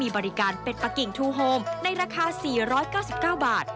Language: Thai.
บริการเป็ดปะกิ่งทูโฮมในราคา๔๙๙บาท